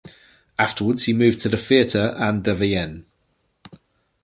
Afterwards he moved to the Theater an der Wien.